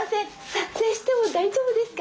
撮影しても大丈夫ですか？